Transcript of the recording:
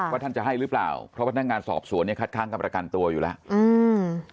ท่านจะให้หรือเปล่าเพราะพนักงานสอบสวนเนี่ยคัดค้างการประกันตัวอยู่แล้วอืม